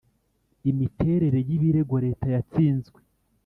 Imiterere y ibirego leta yatsinzwe